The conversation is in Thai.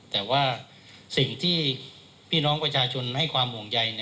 แต่ว่าสิ่งที่พี่น้องประชาชนให้ความห่วงใย